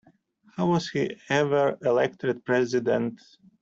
How was he ever elected President?